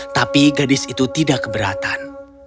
tapi gadis itu tidak keberatan